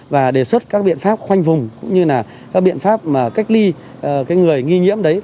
và đề xuất các biện pháp khoanh vùng cũng như là các biện pháp mà cách ly người nghi nhiễm đấy